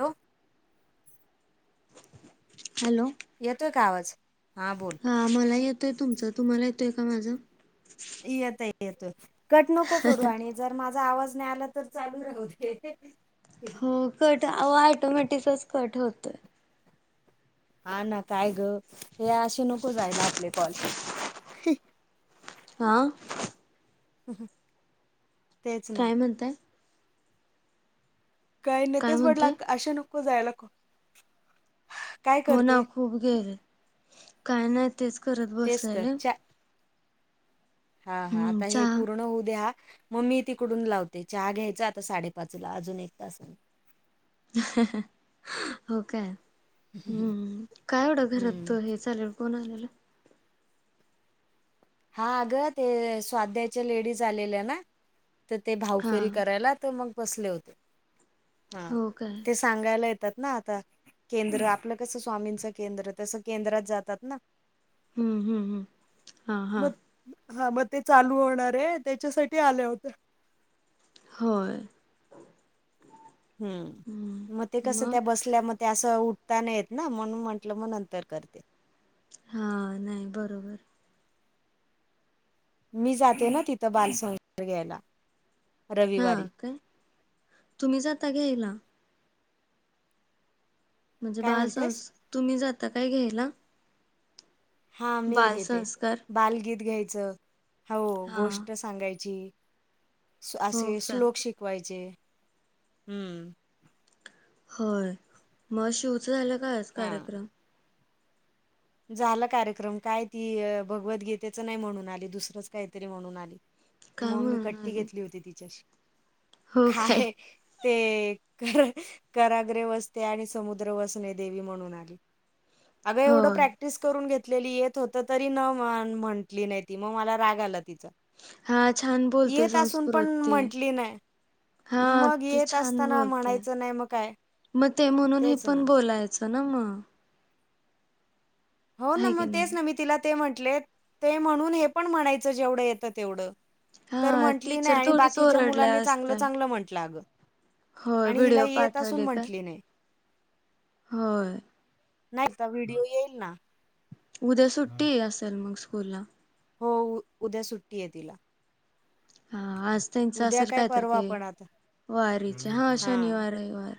Low hello येतोय का आवाज हा बोल? हा मला येतोय तुमचं तुम्हाला येतोय का माझं येतय येतोय कट नको करू आणि जर माझा आवाज नाइ आला तर चालू राहुदे, हे हे हो कट अ ऑटोमॅटिकच कट होतोय. हा ना, काय गं, हे असे नको जायला. आपले कॉल ही आ हुम ह काय म्हणताय? काही न काय तेच म्हटला म्हणताय अशा नको जायला काॅल हो ना खूप गेले काय नाही तेच करत तेच तर बसलेले चा हा हा हम्म आता हे चहा पूर्ण होऊ द्या हा म मी तिकडून लावते चहा घ्यायचं आता साडेपाचला अजून एक तासने ह ह हो काय हम्म हम्म काय एवढं घरात हम्म त हे चालेल कोण आलेल हा अगं ते अ स्वाध्याचे लेडीज आलेले ना तर ते भाऊ हा फेरी करायला तर मग बसले होते हा हो काय तेच सांगायला येतात ना आता केंद्र आपलं कसं स्वामींचं केंद्र तसं केंद्रात जातात ना हम्म हम्म हम्म हा हा मग हा मग ते चालु होणार आहे त्याच्यासाठी आल्या होत्या होय हम्म म ते कसं त्या बसल्या म ते अस उठता नाय येत ना म्हणून म्हंटलं म नंतर करते हा नाय बरोबर. मी जाते ना तिथं बालसंगोपन घ्यायला हा रविवारी काय तुम्ही जाता घ्यायला? म्हणजे काय बाल म्हणतेस? संस तुम्ही जाता काय घ्यायला? हा मी घेते बालसंस्कार बालगीत घ्यायचं हो हा गोष्ट सांगायची असे हो काय श्लोक शिकवायचे हम्म होय मग शिवच झालं का आज कार्यक्रम? झालं कार्यक्रम काय ती भगवद्गीतेच नाही म्हणून आली दुसरंच काहीतरी म्हणून आली काय मग मी म्हणून कट्टी आले घेतली होती तिच्याशी काय ते कराग्रे वसते आणि समुद्र वसणे देवी म्हणून आली. अग एवढं होय प्रॅक्टिस. करुन घेतलेली येत होत तरी न म म्हटली नाही ती मग मला राग आला तिचा हा छान बोलते येत असून पण संस्कृती. म्हंटली नाही हा मग ती येत छान असताना बोलते म्हणायचं नाही मग काय म ते म्हणून हे तेच ना पण बोलायचं. [unintelligible] हो ना हाय की मग तेच नाही ना मी तिला ते म्हटले ते म्हणून हे पण म्हणायचं जेवढं येतं तेवढं तर हा म्हंटली नाही टीचर आणि थोडीच बाकीच्या ओरडल्या मुलांनी चांगलं असत्या चांगलं म्हंटलं अग होय आणि हिला व्हिडिओ येत असून ही पाठवले का म्हंटली नाही होय. नाहीत का व्हिडिओ येईल ना. उद्या सुट्टी असेल मग स्कूल ला? हो उद्या सुट्टी ए तिला. ह [inaudible] हा आज त्यांचं उद्या असेल काय तर परवा ते पण आता वारीच हा शनिवार रविवार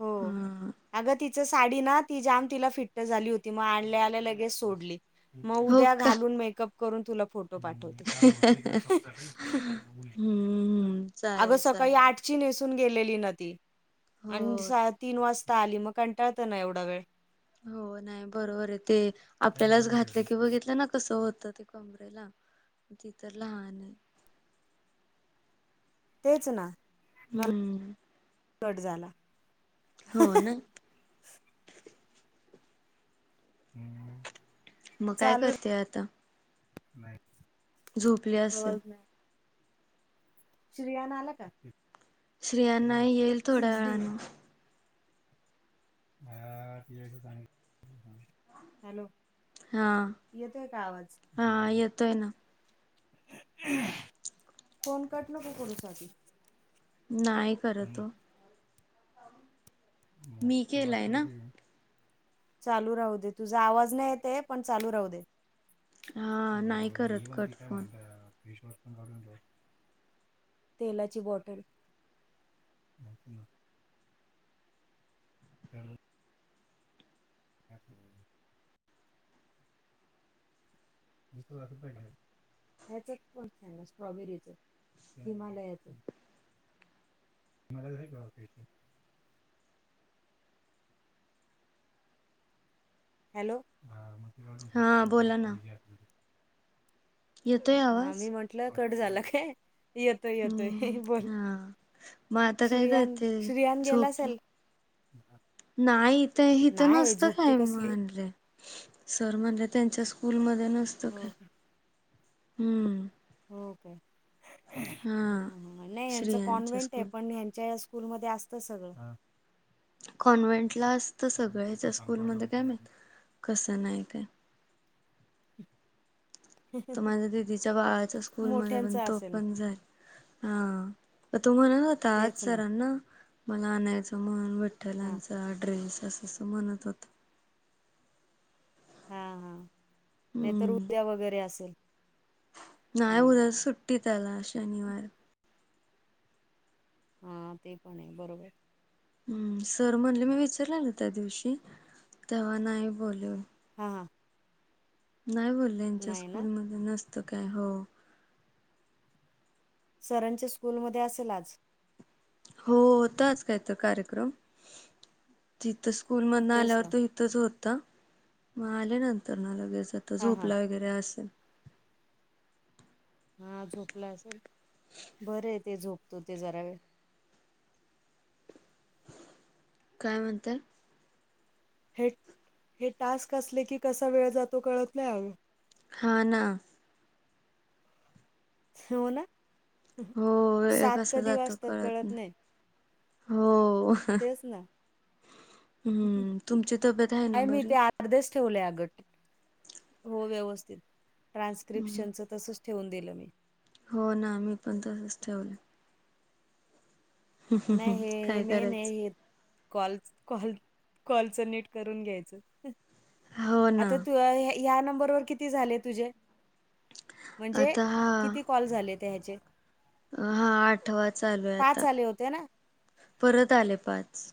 हो हा अग ती. तीची साडी ना ती जाम तिला फिट्ट झाली होती मग आणल्या आल्या लगेच सोडली. म हो उद्या का घालून मेकअप करून तुला फोटो पाठवते. हम्म अग चालेल सकाळी चालेल आठ. ची नेसून गेलेली ना ती, हो आन सा तीन वाजता आली मग कंटाळतं ना एवढा वेळ! हो नाय बरोबर आहे, ते आपल्यालाच घातलं कि बघितलं ना कसं होतं ते! कमरे ला, ती तर लहान आहे. तेच ना, माल हम्म [inaudible] कट झाला. हो ना! [inaudible] म काय चालू राहतो करते आता? नाही. झोपली असेल. आवाज श्रियान आला का? श्रीयान ना, येईल थोड्या सिक्स डी वेळान. [unintelligible] हॅलो. हा, येतोय का आवाज हा येतोय ना. फोन कट नको करूस आधी. नाई करत ओ. मी केलाय ना [unintelligible] चालू राहू दे, तुझा आवाज नाय येत आहे पण चालू राहू दे. हा नाही करत कट फोन [unintelligible] तेलाची बॉटल. [unintelligible] [unintelligible] [unintelligible] ह्याच [unintelligible] स्ट्रॉबेरीच, हिमालयाच. [unintelligible] हॅलो. हा बोला ना येतोय हा आवाज मी म्हंटलं कट झाला काय? येतोय, हम्म येतोय बोल हा मग आता काय करते श्रियान-श्रियान गेला झोपले असेल. [inaudible] नाही इथ, हीथं नाही नसतं झोपती कसली काही [unintelligible] सर म्हणले त्यांच्या स्कूलमध्ये नसत हो काय. का? हम्म. होय काय? ह हा ह नाही यांचं श्रियांच्या कॉन्व्हेंट आहे, स्कूल पण ह्यांच्या या स्कूल मधे असत सगळं. कॉन्व्हेंटला असत, सगळ्याच्या स्कूलमध्ये काय माहित कसं नाही काय? [inaudible] तो माझ्या दिदीच्या बाळाच्या स्कूलमध्ये पण मोठ्यांचं तो असेल पण जाईल. हा तो म्हणत होता आज तेच ना सरांना मला आणायचं म्हण वट- हा विठ्ठलांचा ड्रेस असं अस म्हणत होता. हा, हा नाहीतर हम्म उद्या वगैरे असेल. नाही हं. उद्या सुट्टी त्याला शनिवार. हा ते पण आहे बरोबर. हम्म सर म्हणले मी विचारलेल त्या दिवशी तेव्हा नाही बोलले. हा हां. नाही बोलले, यांच्या नाही ना? स्कूलमधे नसतं काय. हो. सरांच्या स्कूलमध्ये असेल आज. हो होता आज काय त कार्यक्रम तिथं स्कूल मधन तेच आल्यावर ना. तो इथ- तिथंच होतं, मग आल्या नंतर ना लगेच आता हां, हां. झोपला वगैरे असेल. हा झोपला असेल. बरं हे ते झोपतो ते जरा वेळ. काय म्हणताय? हे-हे टास्क असले की, कसा वेळ जातो कळत नाही अगं. हा-ना. सोना. हो, वेळ कसं जातो कळत नाही. हो. तेच ना. [inaudible] हम्म, तुमची तब्येत आहे ना अय मी बरी? ते अर्धेच ठेवले अगं. हो व्यवस्थित, हम्म. ट्रान्क्रिपशन चं तसच ठेवून दिलं मी. हो ना, मी पण तसच ठेवलं. नाय हे-हे काय मेन हे, करायचं हे कॉल-कॉल-कॉलचं नीट करून घ्यायचं. हो ना आता तुज हे, ह्या नंबरवर किती झाले तुझे? म्हणजे आता हा किती कॉल झालेत ह्याचे? हा आठवा चालूय आता, पाच आले होते ना? परत आले पाच.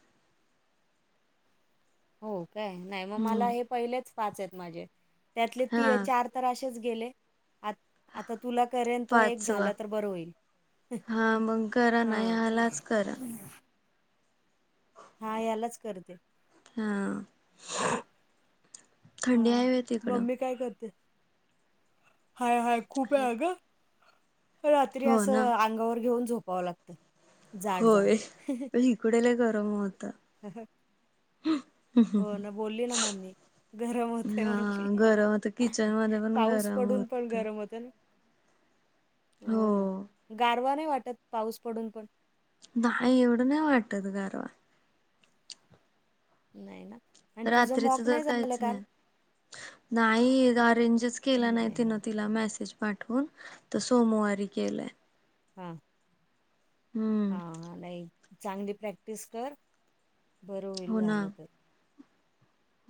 हो काय, नाय मग मला हम्म हे पहिलेच पाच आहेत माझे, त्यातले हा ती चार तर अशेच गेले, आंत-आता तुला करेन तो एक पाचवा झाला, तर बरं होईल. हा मग करा ना हा ह्यालाच कर. हा, यालाच करते. हा, थंडी हाय हा व्हय तिकडं? मम्मी काय करते? हाय-हाय खूप हाय अगं रात्री हो ना असं अंगावर घेऊन झोपावं लागतं. जाड जाड. होय, पण इकडं लय गरम होत. हो ना, बोलली ना मम्मी. गरम होतय हा म्हणजे? गरम होत किचन मध्ये पण पाऊस गरम पडून पण होत गरम होत ना. हो ना, गारवा नाही वाटत पाऊस पडून पण. नाही एवढं नाही वाटत गरवा. नई ना. आणि तुझं रात्रीच मॉक तर नाही झालं काहीच काल? नाही. नाही, अरेंजच केला नाही, तिनं तिला मेसेज. पाठवून, तर सोमवारी केलं. हा. हम्म. नाही, चांगली प्रॅक्टिस कर, बरं होईल हो ना झालं तर.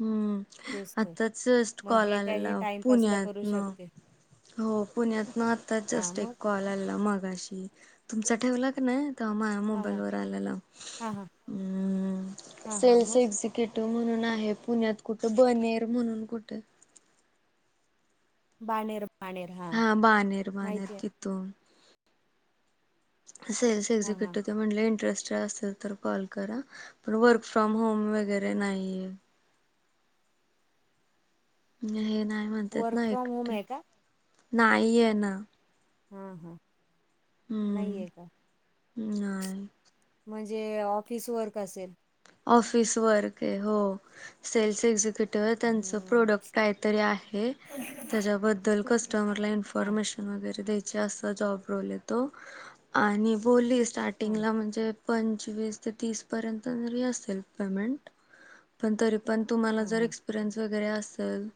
हम्म, तेच तर. आताच जस्ट मग कॉल हे काय हे आलेला टाईमपासला करू पुण्यातन. शकते. हो, पुण्यातन आता हां, जस्ट एक मग? कॉल आलेला मगाशी, तुमचा ठेवला का नाय. माया हां, मोबाईल हां. वर आलेला. हां, हां. [inaudible] हां, हां. मग? केटो म्हणून आहे, पुण्यात कुठं बनेर म्हणून कुठं बाणेर. बाणेर. हां, हा बानेर, बाणेर. माहिती आहे. कितो सेल्स हां, हां. एक्झीकीटिव्ह ते म्हणले इंट्रेस्टेड असेल तर कॉल करा, पण वर्क फ्रॉम होम वगैरे नाहीये. हे नाही म्हणतात वर्क ना फ्रॉम होम एकटे. आहे का? नाही हे ना. हां-हां, नाही हम्म. हे का? नाही. म्हणजे ऑफिस वर्क असेल. ऑफिस वर्क आहे. हो सेल्स एक्झक्युट- त्यांच हं. प्रोडक्ट काहीतरी आहे, त्याच्याबद्दल कस्टमरला हां, इन्फॉर्मेशन- वगैरे द्यायचे अस जॉब रोले तो आणि बोली हां. स्टार्टिंगला म्हणजे, पंचवीस ते तीस पर्यंत जरी असतील पेमेंट. पण तरी पण तुम्हाला हां, जर हां. एक्सपिरियन्स वगैरे असेल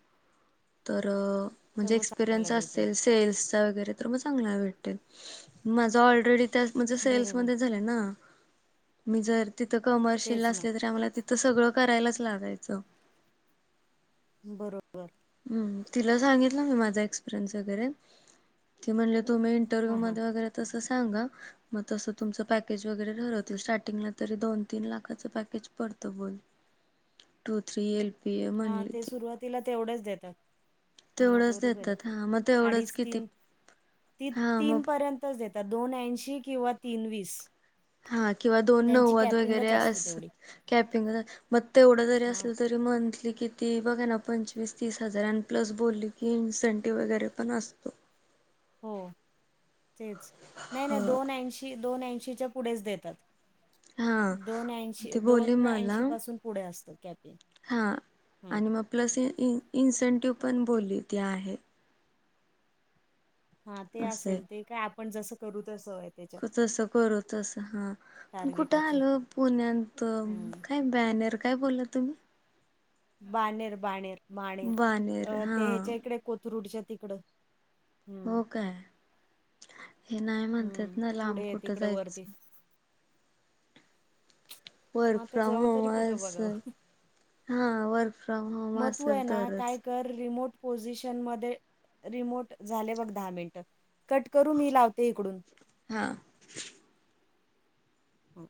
तर- तर म्हणजे मग चांगला एक्सपिरियन्स देतील. असेल, सेल्सचा वगैरे तर मग चांगला भेटेल माझा ऑलरेडी- माझं सेल्स बरोबर. मध्ये झालंय ना, मी जर तिथं कमर्शियलला तेच ना. असले तरी आम्हाला- तर सगळं करायलाच लागायचं. बरोबर ह् तिला सांगितलं मी माझा एक्सपिरियन्स वगैरे ती म्हणले तु मी- इंटरव्यू हां हां मध्ये वगैरे तसं सांगा. मग तसं तुमचं पॅकेज वगैरे ठरवतील, स्टार्टिंगला तरी दोन तीन लाखाचं पॅकेज पडतं बोल- two three L, P A हा म्हणली ते ती सुरुवातीला तेवढेच देतात. हा तेवढंच बरोबर आहे देतात हा मग तेवढंच अडीच किती तीन ती हा तीन मग पर्यंत- तच देतात, दोन ऐंशी किंवा तीन वीस- हा किंवा दोन त्यांची नव्वद वगैरे कॅपिंगच असते अस तेवढी कॅपिंग मग तेवढं जरी हां असलं तरी, तरी मंथली किती बघा ना, पंचवीस तीस हजार आणि प्लस बोलली की इन्सेंटिव्ह वगैरे पण असतो. हो तेच नाही नाही दोन ऐंशी दोन ऐंशीच्या पुढेच देतात. हा दोन ऐंशी ती बोलली दोन ऐंशी पासून पुढे असतं कॅपे- हां आणि मग प्लस इ इन्सेंटिव पण बोलली ती आहे. हा ते असं असेल ते काय आपण जसं करू तसं, त्याच्यात तस करू तस हा पण टार्गेट कुठं अचीव आल पुण्यातंत हं काय- बॅनर काय बोलला तुम्ही? बानेर बानेर बानेर अ ते ह्याच्या इकडे कोथरूडच्या तिकडं. हम्म हो काय हे नाही म्हणतात हम्म ना लांब पुढे कुठं तिकडे वरती. जायचं मग वर्क आता फ्रॉम जवळ होम तरी कुठं बघाव असेल हा वर्क फ्रॉम होम मग तू आहे असेल ना काय तरच कर. कर रिमोट पोझिशनमध्ये, रिमोट. झाले बघ दहा मिनट कट करू मी लावते इकडून- हां हम